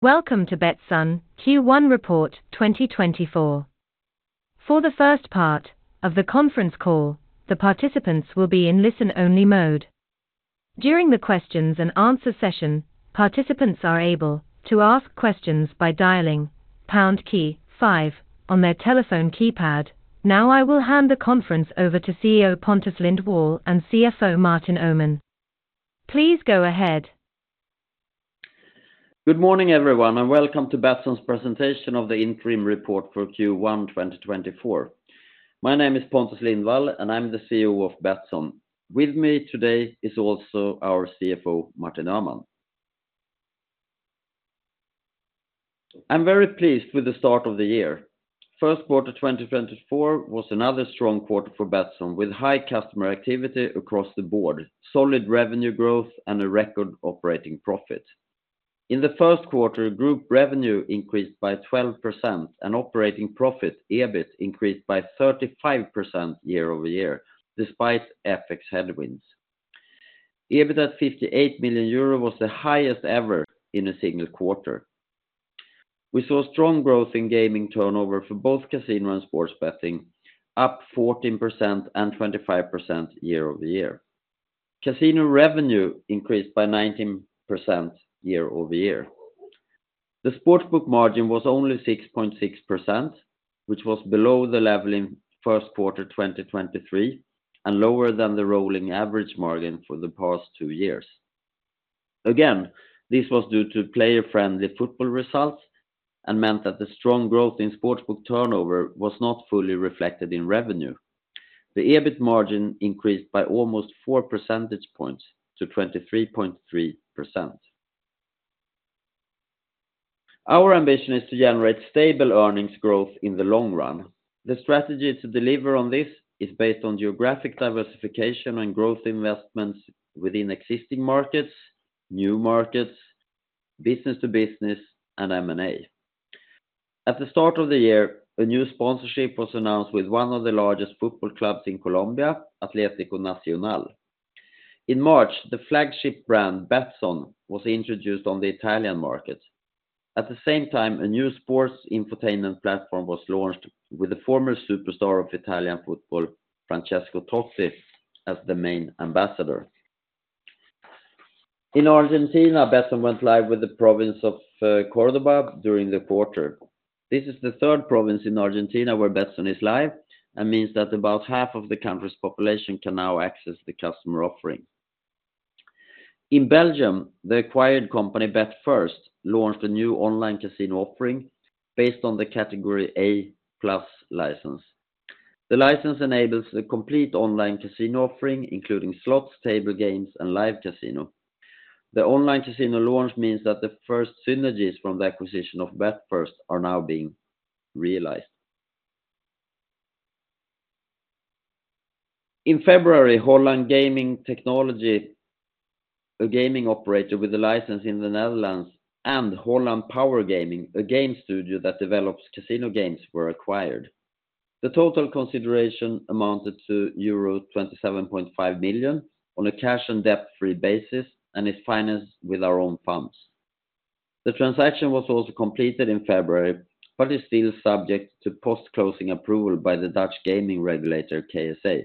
Welcome to Betsson Q1 report 2024. For the first part of the conference call, the participants will be in listen-only mode. During the questions-and-answers session, participants are able to ask questions by dialing pound key 5 on their telephone keypad. Now I will hand the conference over to CEO Pontus Lindwall and CFO Martin Öhman. Please go ahead. Good morning everyone, and welcome to Betsson's presentation of the interim report for Q1 2024. My name is Pontus Lindwall, and I'm the CEO of Betsson. With me today is also our CFO Martin Öhman. I'm very pleased with the start of the year. First quarter 2024 was another strong quarter for Betsson, with high customer activity across the board, solid revenue growth, and a record operating profit. In the first quarter, group revenue increased by 12%, and operating profit, EBIT, increased by 35% year-over-year, despite FX headwinds. EBIT at 58 million euro was the highest ever in a single quarter. We saw strong growth in gaming turnover for both casino and sports betting, up 14% and 25% year-over-year. Casino revenue increased by 19% year-over-year. The sportsbook margin was only 6.6%, which was below the level in first quarter 2023 and lower than the rolling average margin for the past two years. Again, this was due to player-friendly football results and meant that the strong growth in sportsbook turnover was not fully reflected in revenue. The EBIT margin increased by almost four percentage points to 23.3%. Our ambition is to generate stable earnings growth in the long run. The strategy to deliver on this is based on geographic diversification and growth investments within existing markets, new markets, business-to-business, and M&A. At the start of the year, a new sponsorship was announced with one of the largest football clubs in Colombia, Atlético Nacional. In March, the flagship brand Betsson was introduced on the Italian market. At the same time, a new sports infotainment platform was launched with the former superstar of Italian football, Francesco Totti, as the main ambassador. In Argentina, Betsson went live with the province of Córdoba during the quarter. This is the third province in Argentina where Betsson is live and means that about half of the country's population can now access the customer offering. In Belgium, the acquired company betFIRST launched a new online casino offering based on the Category A+ license. The license enables a complete online casino offering, including slots, table games, and live casino. The online casino launch means that the first synergies from the acquisition of betFIRST are now being realized. In February, Holland Gaming Technology, a gaming operator with a license in the Netherlands, and Holland Power Gaming, a game studio that develops casino games, were acquired. The total consideration amounted to euro 27.5 million on a cash and debt-free basis and is financed with our own funds. The transaction was also completed in February but is still subject to post-closing approval by the Dutch gaming regulator, KSA.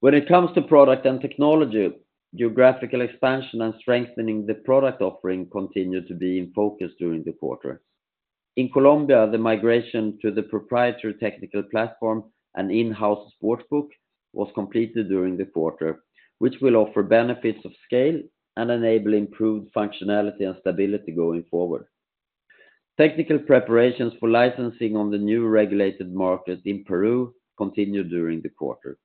When it comes to product and technology, geographical expansion and strengthening the product offering continue to be in focus during the quarter. In Colombia, the migration to the proprietary technical platform and in-house sportsbook was completed during the quarter, which will offer benefits of scale and enable improved functionality and stability going forward. Technical preparations for licensing on the new regulated market in Peru continue during the quarter.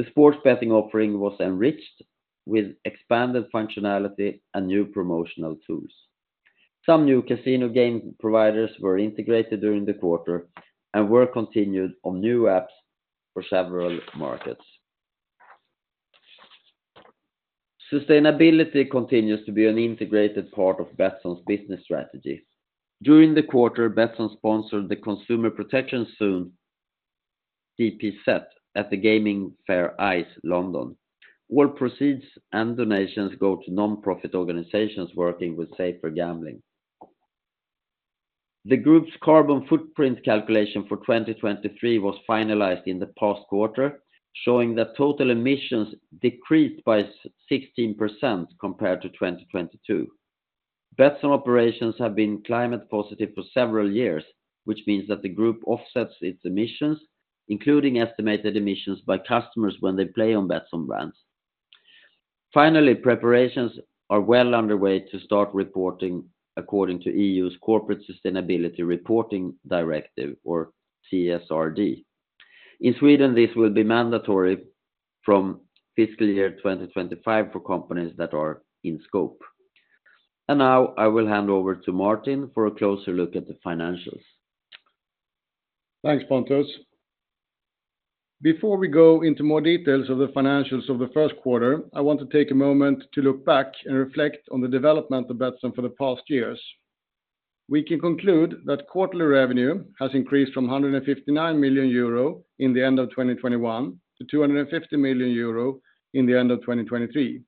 The sports betting offering was enriched with expanded functionality and new promotional tools. Some new casino game providers were integrated during the quarter and work continued on new apps for several markets. Sustainability continues to be an integrated part of Betsson's business strategy. During the quarter, Betsson sponsored the Consumer Protection Zone, CPZ, at the gaming fair ICE London. All proceeds and donations go to nonprofit organizations working with safer gambling. The group's carbon footprint calculation for 2023 was finalized in the past quarter, showing that total emissions decreased by 16% compared to 2022. Betsson operations have been climate-positive for several years, which means that the group offsets its emissions, including estimated emissions by customers when they play on Betsson brands. Finally, preparations are well underway to start reporting according to EU's Corporate Sustainability Reporting Directive, or CSRD. In Sweden, this will be mandatory from fiscal year 2025 for companies that are in scope. And now I will hand over to Martin for a closer look at the financials. Thanks, Pontus. Before we go into more details of the financials of the first quarter, I want to take a moment to look back and reflect on the development of Betsson for the past years. We can conclude that quarterly revenue has increased from 159 million euro in the end of 2021 to 250 million euro in the end of 2023.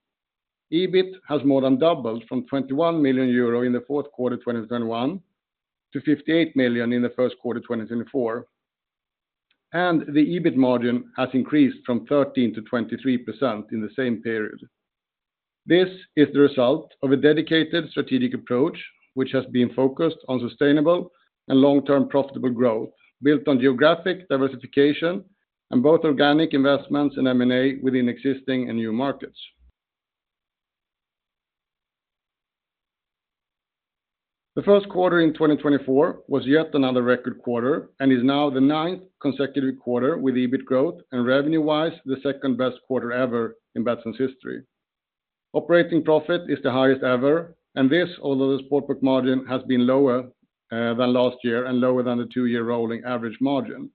EBIT has more than doubled from 21 million euro in the fourth quarter 2021 to 58 million in the first quarter 2024, and the EBIT margin has increased from 13% to 23% in the same period. This is the result of a dedicated strategic approach, which has been focused on sustainable and long-term profitable growth built on geographic diversification and both organic investments and M&A within existing and new markets. The first quarter in 2024 was yet another record quarter and is now the ninth consecutive quarter with EBIT growth and revenue-wise the second best quarter ever in Betsson's history. Operating profit is the highest ever, and this, although the sportsbook margin has been lower than last year and lower than the two-year rolling average margin.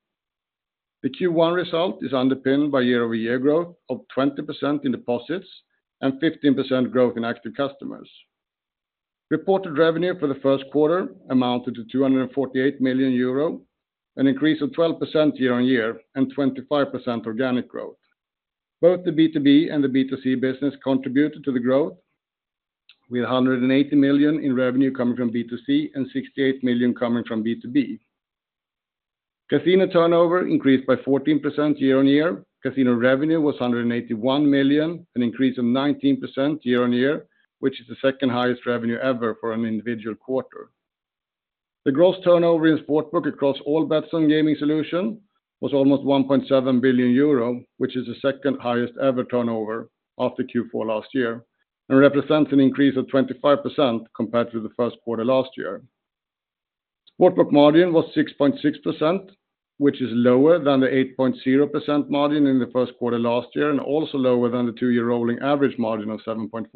The Q1 result is underpinned by year-over-year growth of 20% in deposits and 15% growth in active customers. Reported revenue for the first quarter amounted to 248 million euro, an increase of 12% year-over-year and 25% organic growth. Both the B2B and the B2C business contributed to the growth, with 180 million in revenue coming from B2C and 68 million coming from B2B. Casino turnover increased by 14% year-over-year. Casino revenue was 181 million, an increase of 19% year-on-year, which is the second highest revenue ever for an individual quarter. The gross turnover in sportsbook across all Betsson Gaming Solutions was almost 1.7 billion euro, which is the second highest ever turnover after Q4 last year and represents an increase of 25% compared to the first quarter last year. Sportsbook margin was 6.6%, which is lower than the 8.0% margin in the first quarter last year and also lower than the two-year rolling average margin of 7.4%.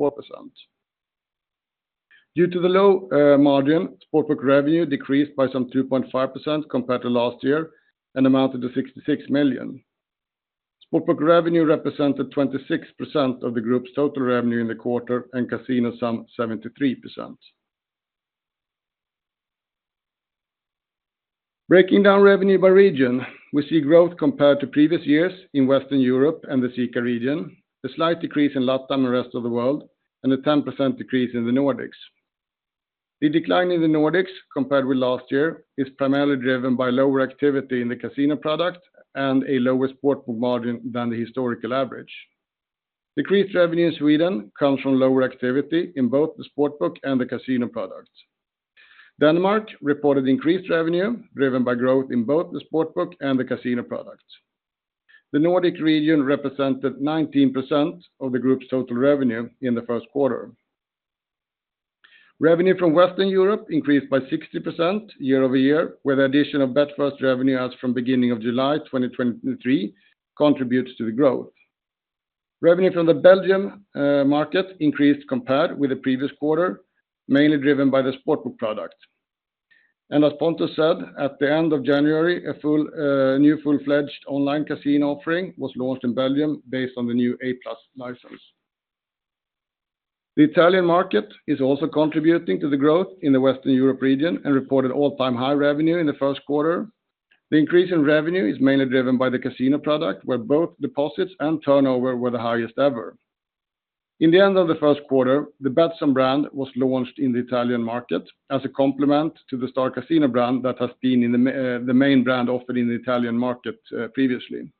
Due to the low margin, sportsbook revenue decreased by some 2.5% compared to last year and amounted to 66 million. Sportsbook revenue represented 26% of the group's total revenue in the quarter and casino was 73%. Breaking down revenue by region, we see growth compared to previous years in Western Europe and the CEECA region, a slight decrease in LATAM and rest of the world, and a 10% decrease in the Nordics. The decline in the Nordics compared with last year is primarily driven by lower activity in the casino product and a lower sportsbook margin than the historical average. Decreased revenue in Sweden comes from lower activity in both the sportsbook and the casino product. Denmark reported increased revenue driven by growth in both the sportsbook and the casino product. The Nordic region represented 19% of the group's total revenue in the first quarter. Revenue from Western Europe increased by 60% year-over-year, where the addition of betFIRST revenue as from beginning of July 2023 contributes to the growth. Revenue from the Belgium market increased compared with the previous quarter, mainly driven by the sportsbook product. As Pontus said, at the end of January, a new full-fledged online casino offering was launched in Belgium based on the new A+ license. The Italian market is also contributing to the growth in the Western Europe region and reported all-time high revenue in the first quarter. The increase in revenue is mainly driven by the casino product, where both deposits and turnover were the highest ever. In the end of the first quarter, the Betsson brand was launched in the Italian market as a complement to the StarCasinò brand that has been the main brand offered in the Italian market previously.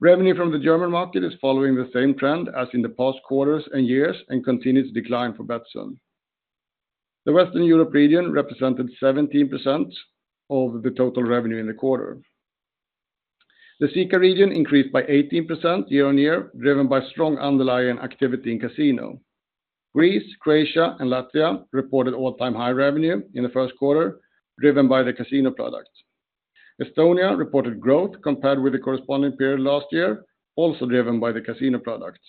Revenue from the German market is following the same trend as in the past quarters and years and continues to decline for Betsson. The Western Europe region represented 17% of the total revenue in the quarter. The CEECA region increased by 18% year-on-year, driven by strong underlying activity in casino. Greece, Croatia, and Latvia reported all-time high revenue in the first quarter, driven by the casino product. Estonia reported growth compared with the corresponding period last year, also driven by the casino product.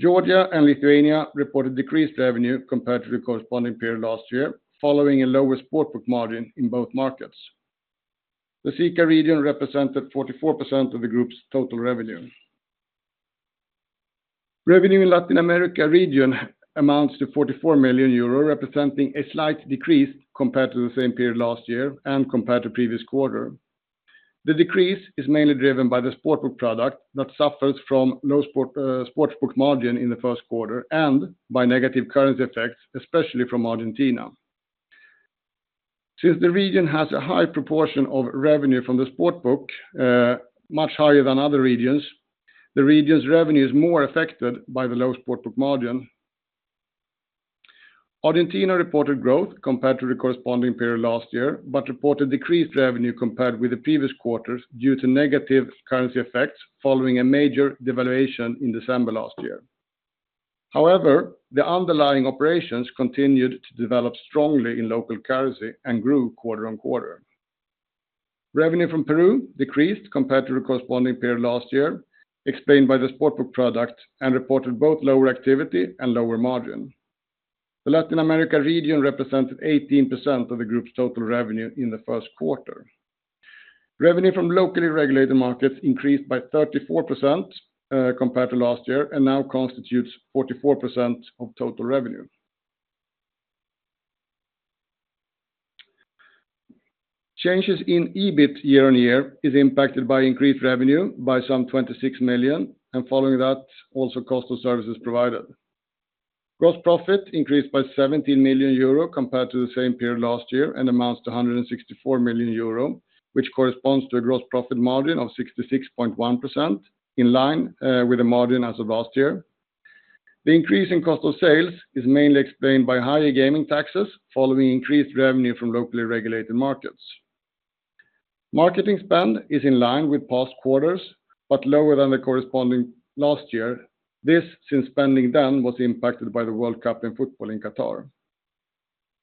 Georgia and Lithuania reported decreased revenue compared to the corresponding period last year, following a lower sportsbook margin in both markets. The CEECA region represented 44% of the group's total revenue. Revenue in Latin America region amounts to 44 million euro, representing a slight decrease compared to the same period last year and compared to previous quarter. The decrease is mainly driven by the sportsbook product that suffers from low sportsbook margin in the first quarter and by negative currency effects, especially from Argentina. Since the region has a high proportion of revenue from the sportsbook, much higher than other regions, the region's revenue is more affected by the low sportsbook margin. Argentina reported growth compared to the corresponding period last year but reported decreased revenue compared with the previous quarters due to negative currency effects following a major devaluation in December last year. However, the underlying operations continued to develop strongly in local currency and grew quarter-on-quarter. Revenue from Peru decreased compared to the corresponding period last year, explained by the sportsbook product, and reported both lower activity and lower margin. The Latin America region represented 18% of the group's total revenue in the first quarter. Revenue from locally regulated markets increased by 34% compared to last year and now constitutes 44% of total revenue. Changes in EBIT year on year are impacted by increased revenue by some 26 million and, following that, also cost of services provided. Gross profit increased by 17 million euro compared to the same period last year and amounts to 164 million euro, which corresponds to a gross profit margin of 66.1%, in line with the margin as of last year. The increase in cost of sales is mainly explained by higher gaming taxes following increased revenue from locally regulated markets. Marketing spend is in line with past quarters but lower than the corresponding last year, since spending then was impacted by the World Cup in football in Qatar.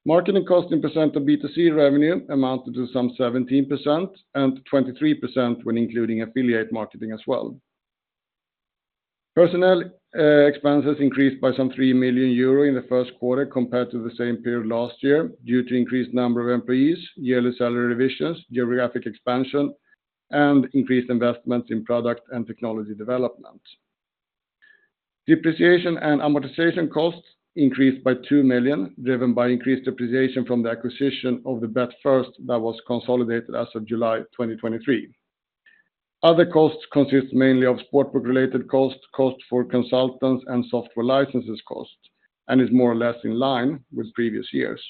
Marketing cost in % of B2C revenue amounted to some 17% and 23% when including affiliate marketing as well. Personnel expenses increased by some 3 million euro in the first quarter compared to the same period last year due to increased number of employees, yearly salary revisions, geographic expansion, and increased investments in product and technology development. Depreciation and amortization costs increased by 2 million, driven by increased depreciation from the acquisition of the betFIRST that was consolidated as of July 2023. Other costs consist mainly of sportsbook-related costs, cost for consultants, and software licenses costs, and are more or less in line with previous years.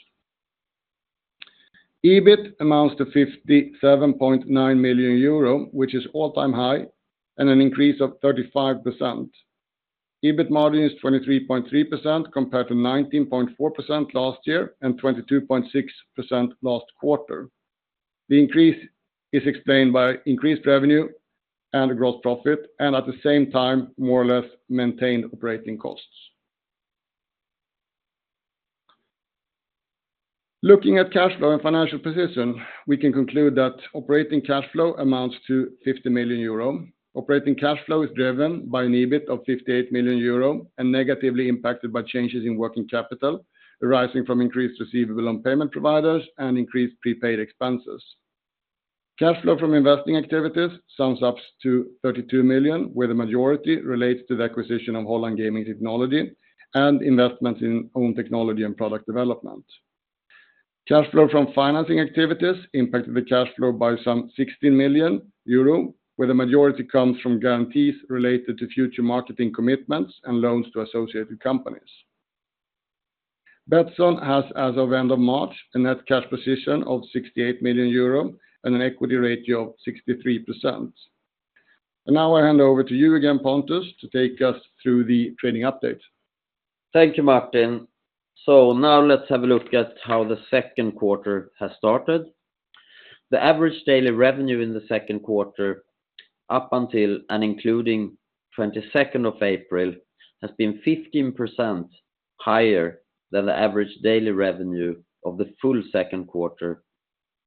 EBIT amounts to 57.9 million euro, which is all-time high and an increase of 35%. EBIT margin is 23.3% compared to 19.4% last year and 22.6% last quarter. The increase is explained by increased revenue and gross profit and, at the same time, more or less maintained operating costs. Looking at cash flow and financial position, we can conclude that operating cash flow amounts to 50 million euro. Operating cash flow is driven by an EBIT of 58 million euro and negatively impacted by changes in working capital arising from increased receivable on payment providers and increased prepaid expenses. Cash flow from investing activities sums up to 32 million, where the majority relates to the acquisition of Holland Gaming Technology and investments in own technology and product development. Cash flow from financing activities impacted the cash flow by some 16 million euro, where the majority comes from guarantees related to future marketing commitments and loans to associated companies. Betsson has, as of end of March, a net cash position of 68 million euro and an equity ratio of 63%. And now I hand over to you again, Pontus, to take us through the trading update. Thank you, Martin. So now let's have a look at how the second quarter has started. The average daily revenue in the second quarter up until and including 22nd of April has been 15% higher than the average daily revenue of the full second quarter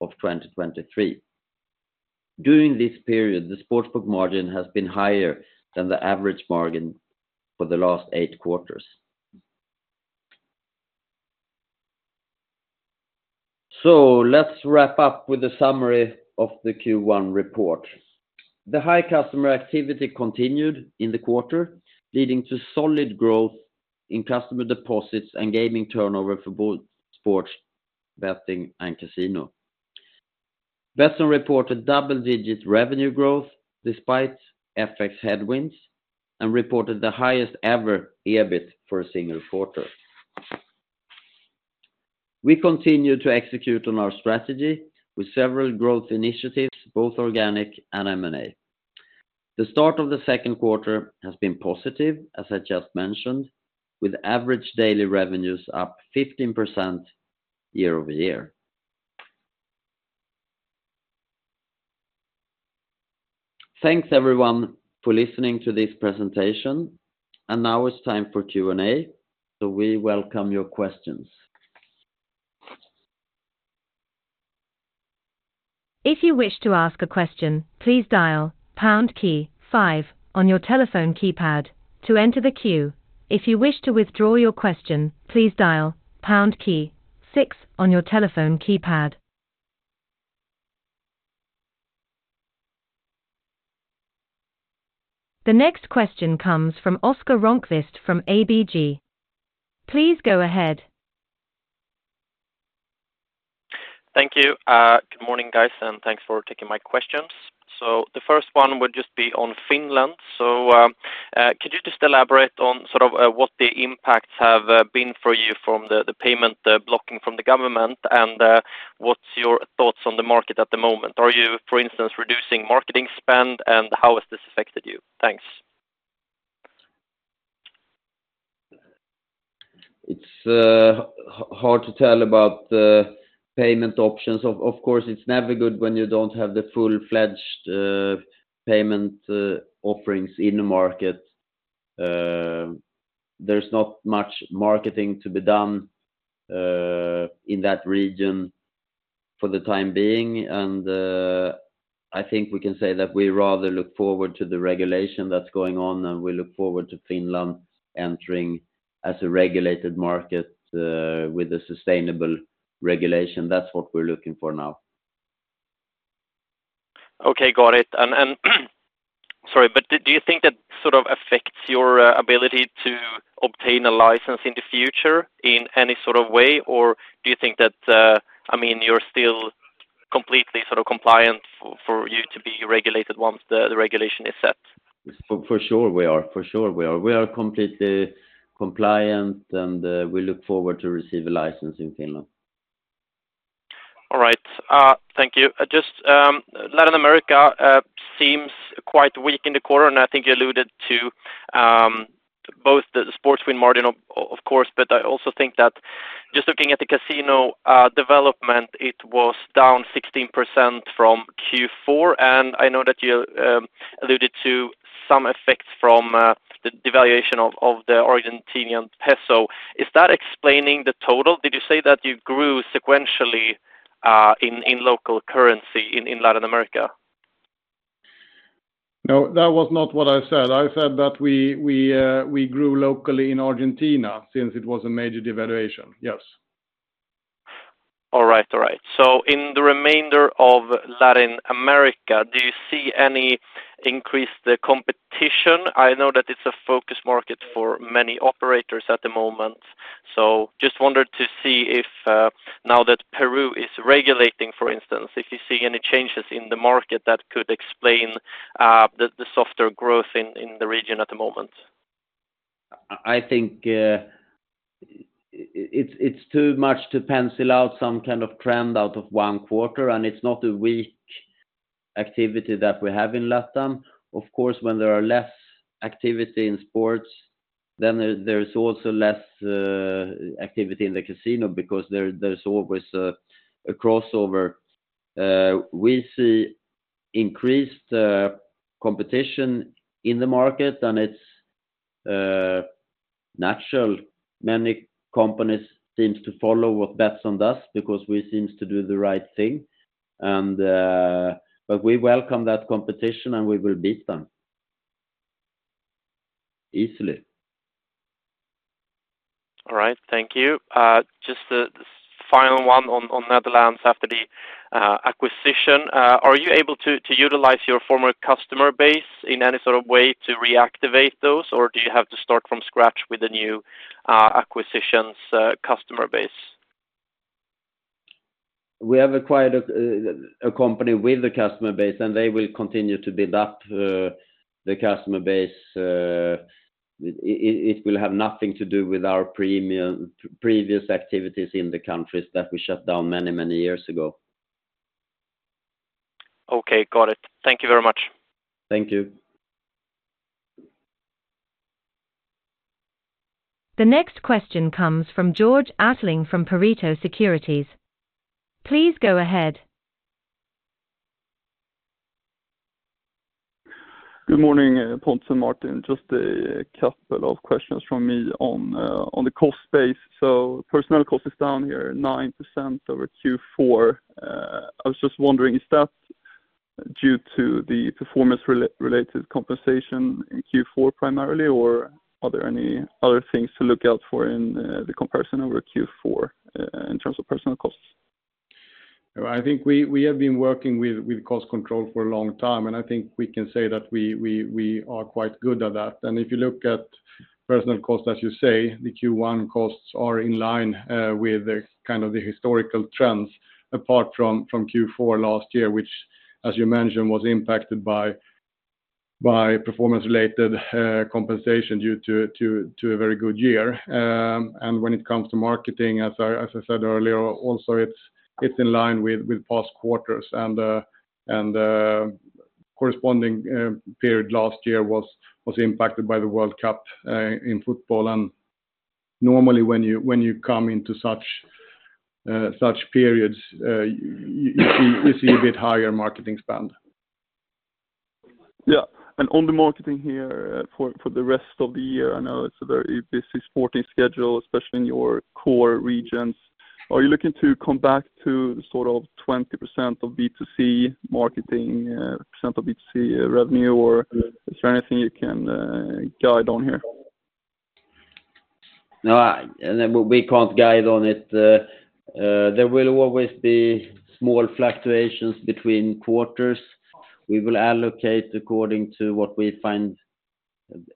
of 2023. During this period, the sportsbook margin has been higher than the average margin for the last eight quarters. So let's wrap up with a summary of the Q1 report. The high customer activity continued in the quarter, leading to solid growth in customer deposits and gaming turnover for both sports betting and casino. Betsson reported double-digit revenue growth despite FX headwinds and reported the highest ever EBIT for a single quarter. We continue to execute on our strategy with several growth initiatives, both organic and M&A. The start of the second quarter has been positive, as I just mentioned, with average daily revenues up 15% year-over-year. Thanks, everyone, for listening to this presentation. Now it's time for Q&A, so we welcome your questions. If you wish to ask a question, please dial pound key 5 on your telephone keypad to enter the queue. If you wish to withdraw your question, please dial pound key 6 on your telephone keypad. The next question comes from Oskar Rönnkvist from ABG. Please go ahead. Thank you. Good morning, guys, and thanks for taking my questions. So the first one would just be on Finland. So could you just elaborate on sort of what the impacts have been for you from the payment blocking from the government and what's your thoughts on the market at the moment? Are you, for instance, reducing marketing spend, and how has this affected you? Thanks. It's hard to tell about payment options. Of course, it's never good when you don't have the full-fledged payment offerings in the market. There's not much marketing to be done in that region for the time being. I think we can say that we rather look forward to the regulation that's going on, and we look forward to Finland entering as a regulated market with a sustainable regulation. That's what we're looking for now. Okay, got it. Sorry, but do you think that sort of affects your ability to obtain a license in the future in any sort of way, or do you think that, I mean, you're still completely sort of compliant for you to be regulated once the regulation is set? For sure, we are. For sure, we are. We are completely compliant, and we look forward to receive a license in Finland. All right. Thank you. Just Latin America seems quite weak in the quarter, and I think you alluded to both the sports win margin, of course. But I also think that just looking at the casino development, it was down 16% from Q4. And I know that you alluded to some effects from the devaluation of the Argentine peso. Is that explaining the total? Did you say that you grew sequentially in local currency in Latin America? No, that was not what I said. I said that we grew locally in Argentina since it was a major devaluation. Yes. All right, all right. So in the remainder of Latin America, do you see any increased competition? I know that it's a focus market for many operators at the moment. So just wondered to see if, now that Peru is regulating, for instance, if you see any changes in the market that could explain the softer growth in the region at the moment. I think it's too much to pencil out some kind of trend out of one quarter, and it's not a weak activity that we have in Latin. Of course, when there are less activity in sports, then there is also less activity in the casino because there's always a crossover. We see increased competition in the market, and it's natural. Many companies seem to follow what Betsson does because we seem to do the right thing. But we welcome that competition, and we will beat them easily. All right. Thank you. Just the final one on Netherlands after the acquisition. Are you able to utilize your former customer base in any sort of way to reactivate those, or do you have to start from scratch with a new acquisitions customer base? We have acquired a company with a customer base, and they will continue to build up the customer base. It will have nothing to do with our previous activities in the countries that we shut down many, many years ago. Okay, got it. Thank you very much. Thank you. The next question comes from Georg Attling from Pareto Securities. Please go ahead. Good morning, Pontus and Martin. Just a couple of questions from me on the cost base. So personnel cost is down here, 9% over Q4. I was just wondering, is that due to the performance-related compensation in Q4 primarily, or are there any other things to look out for in the comparison over Q4 in terms of personnel costs? I think we have been working with cost control for a long time, and I think we can say that we are quite good at that. And if you look at personnel costs, as you say, the Q1 costs are in line with kind of the historical trends apart from Q4 last year, which, as you mentioned, was impacted by performance-related compensation due to a very good year. And when it comes to marketing, as I said earlier, also, it's in line with past quarters. The corresponding period last year was impacted by the World Cup in football. Normally, when you come into such periods, you see a bit higher marketing spend. Yeah. On the marketing here for the rest of the year, I know it's a very busy sporting schedule, especially in your core regions. Are you looking to come back to sort of 20% of B2C marketing, % of B2C revenue, or is there anything you can guide on here? No, we can't guide on it. There will always be small fluctuations between quarters. We will allocate according to what we find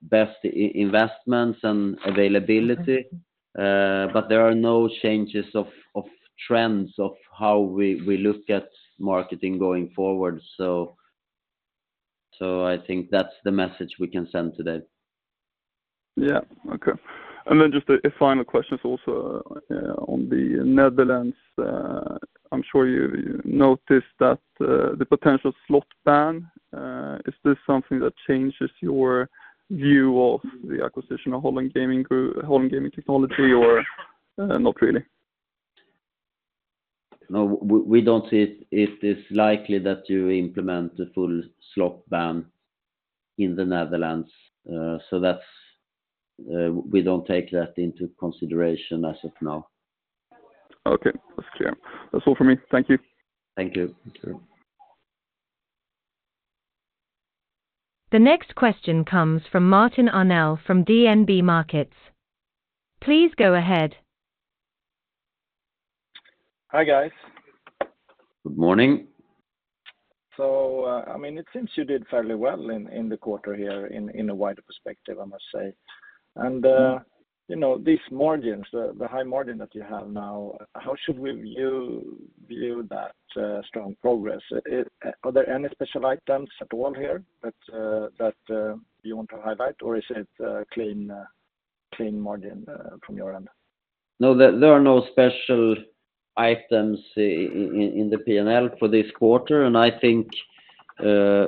best investments and availability. But there are no changes of trends of how we look at marketing going forward. So I think that's the message we can send today. Yeah. Okay. And then just a final question is also on the Netherlands. I'm sure you noticed that the potential slot ban. Is this something that changes your view of the acquisition of Holland Gaming Technology, or not really? No, we don't see it. It is likely that you implement a full slot ban in the Netherlands. We don't take that into consideration as of now. Okay. That's clear. That's all from me. Thank you. Thank you. The next question comes from Martin Arnell from DNB Markets. Please go ahead. Hi, guys. Good morning. I mean, it seems you did fairly well in the quarter here in a wider perspective, I must say. These margins, the high margin that you have now, how should we view that strong progress? Are there any special items at all here that you want to highlight, or is it a clean margin from your end? No, there are no special items in the P&L for this quarter. I think a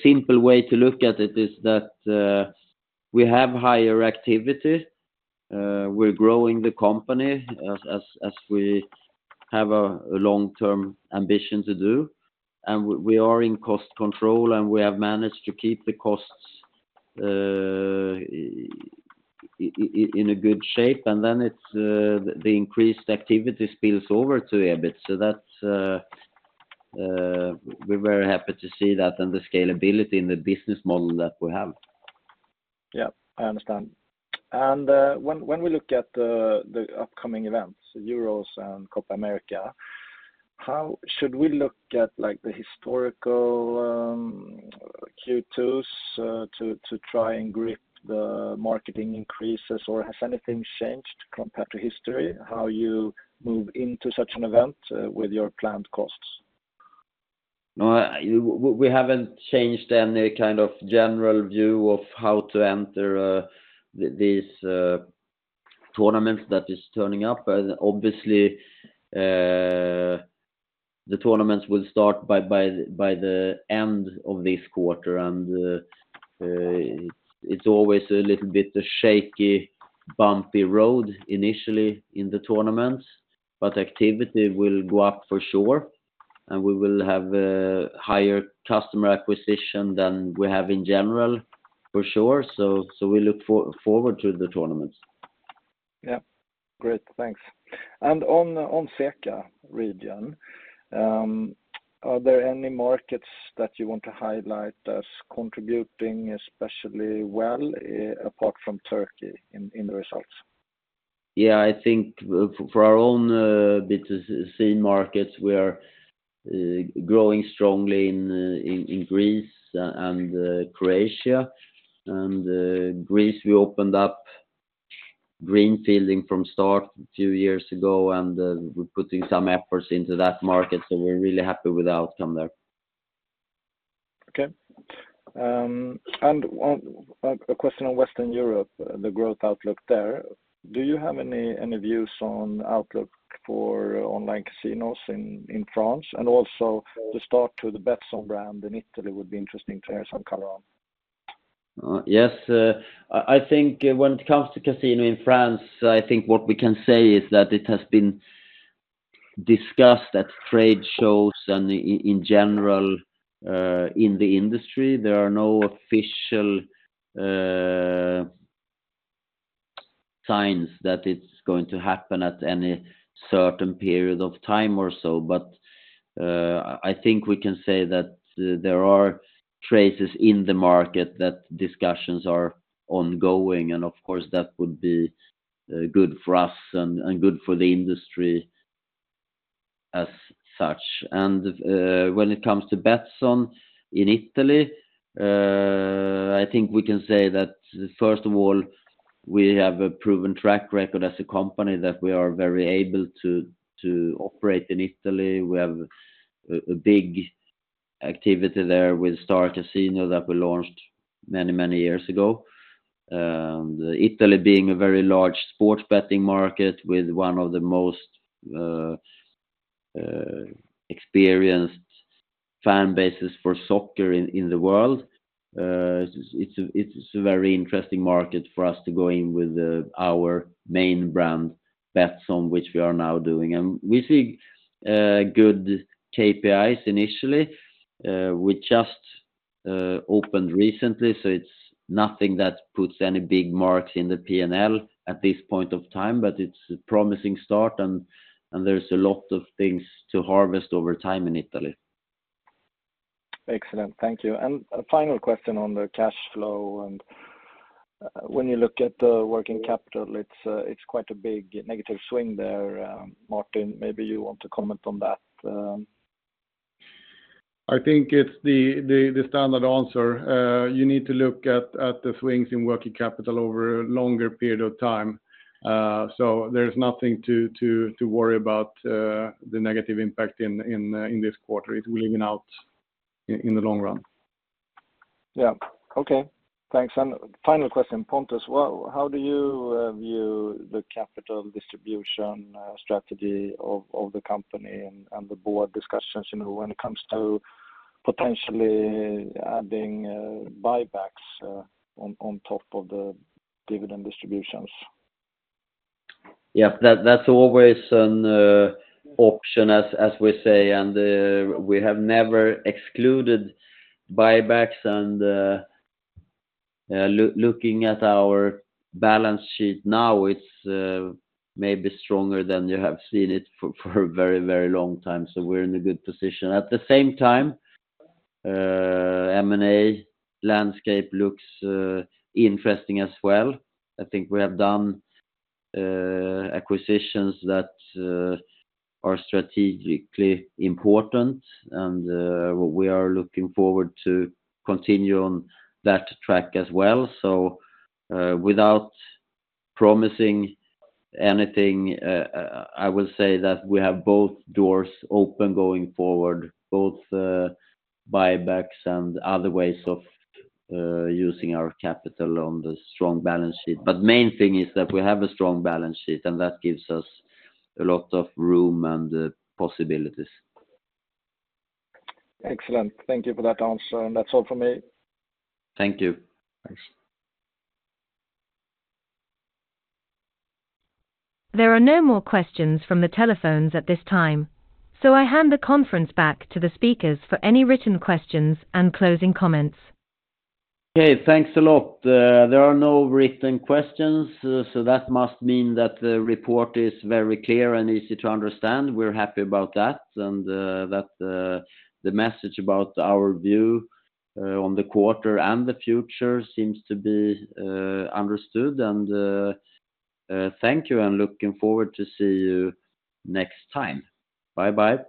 simple way to look at it is that we have higher activity. We're growing the company as we have a long-term ambition to do. We are in cost control, and we have managed to keep the costs in a good shape. Then the increased activity spills over to EBIT. We're very happy to see that and the scalability in the business model that we have. Yeah, I understand. And when we look at the upcoming events, Euros and Copa America, how should we look at the historical Q2s to try and grip the marketing increases? Or has anything changed compared to history, how you move into such an event with your planned costs? No, we haven't changed any kind of general view of how to enter these tournaments that is turning up. Obviously, the tournaments will start by the end of this quarter. It's always a little bit a shaky, bumpy road initially in the tournaments. Activity will go up for sure. We will have higher customer acquisition than we have in general, for sure. We look forward to the tournaments. Yeah. Great. Thanks. And on CEECA region, are there any markets that you want to highlight as contributing especially well apart from Turkey in the results? Yeah, I think for our own B2C markets, we are growing strongly in Greece and Croatia. And Greece, we opened up greenfielding from start a few years ago, and we're putting some efforts into that market. So we're really happy with the outcome there. Okay. A question on Western Europe, the growth outlook there. Do you have any views on outlook for online casinos in France? And also, to start, to the Betsson brand in Italy would be interesting to hear some color on. Yes. I think when it comes to casino in France, I think what we can say is that it has been discussed at trade shows and in general in the industry. There are no official signs that it's going to happen at any certain period of time or so. But I think we can say that there are traces in the market that discussions are ongoing. And of course, that would be good for us and good for the industry as such. And when it comes to Betsson in Italy, I think we can say that, first of all, we have a proven track record as a company that we are very able to operate in Italy. We have a big activity there with StarCasinò that we launched many, many years ago. Italy being a very large sports betting market with one of the most experienced fan bases for soccer in the world. It's a very interesting market for us to go in with our main brand, Betsson, which we are now doing. We see good KPIs initially. We just opened recently, so it's nothing that puts any big marks in the P&L at this point of time. It's a promising start, and there's a lot of things to harvest over time in Italy. Excellent. Thank you. A final question on the cash flow. When you look at the working capital, it's quite a big negative swing there. Martin, maybe you want to comment on that. I think it's the standard answer. You need to look at the swings in working capital over a longer period of time. So there's nothing to worry about the negative impact in this quarter. It will even out in the long run. Yeah. Okay. Thanks. And final question, Pontus. How do you view the capital distribution strategy of the company and the board discussions when it comes to potentially adding buybacks on top of the dividend distributions? Yep, that's always an option, as we say. We have never excluded buybacks. Looking at our balance sheet now, it's maybe stronger than you have seen it for a very, very long time. We're in a good position. At the same time, M&A landscape looks interesting as well. I think we have done acquisitions that are strategically important, and we are looking forward to continue on that track as well. Without promising anything, I will say that we have both doors open going forward, both buybacks and other ways of using our capital on the strong balance sheet. Main thing is that we have a strong balance sheet, and that gives us a lot of room and possibilities. Excellent. Thank you for that answer. That's all from me. Thank you. Thanks. There are no more questions from the telephones at this time, so I hand the conference back to the speakers for any written questions and closing comments. Okay. Thanks a lot. There are no written questions, so that must mean that the report is very clear and easy to understand. We're happy about that. And the message about our view on the quarter and the future seems to be understood. And thank you, and looking forward to see you next time. Bye-bye.